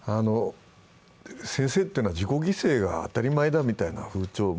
先生というのは自己犠牲が当たり前だみたいな風潮